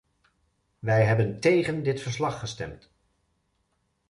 Wij hebben tegen dit verslag gestemd.